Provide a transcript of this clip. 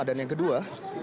dan yang kedua